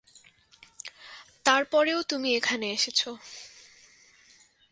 তারপরেও তুমি এখানে এসেছ।